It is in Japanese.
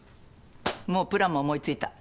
もうプランも思いついた。